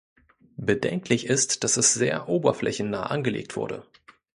Bedenklich ist, dass es sehr oberflächennah angelegt wurde.